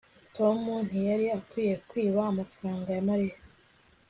tom ntiyari akwiye kwiba amafaranga ya mariya